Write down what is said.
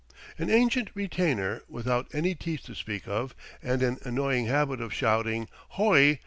An ancient retainer, without any teeth to speak of, and an annoying habit of shouting "h o i!"